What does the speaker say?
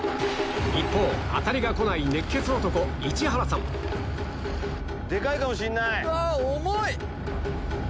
一方当たりがこない熱血男市原さん・デカいかもしんない・うわ重い！